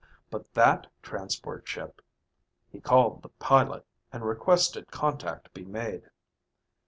But that transport ship ... He called the pilot and requested contact be made.